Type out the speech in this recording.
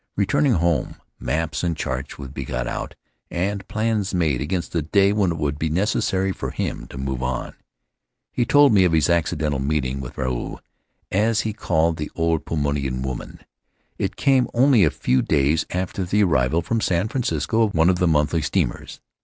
Return ing home, maps and charts would be got out and plans made against the day when it would be necessary for him to move on. He told me of his accidental meeting with Ruau, as he called the old Paumotuan woman. It came only a few days after the arrival from San Fran cisco of one of the monthly steamers.